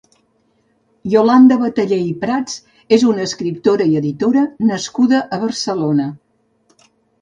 Iolanda Batallé i Prats és una escriptora i editora nascuda a Barcelona.